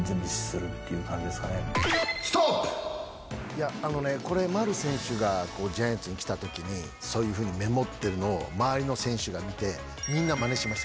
いや、あのね、これ、丸選手がジャイアンツに来たときに、そういうふうにメモってるのを周りの選手が見て、みんなまねしま